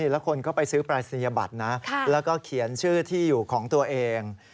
แล้วคนก็ไปซื้อปรายศนียบัตรนะแล้วก็เขียนชื่อที่อยู่ของตัวเอง